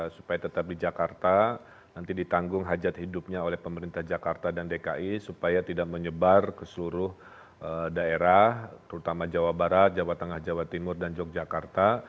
supaya tetap di jakarta nanti ditanggung hajat hidupnya oleh pemerintah jakarta dan dki supaya tidak menyebar ke seluruh daerah terutama jawa barat jawa tengah jawa timur dan yogyakarta